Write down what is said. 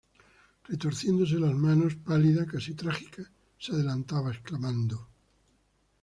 retorciéndose las manos, pálida, casi trágica, se adelantaba exclamando: